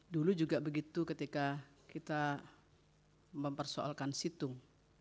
dulu juga begitu ketika kita mempersoalkan situng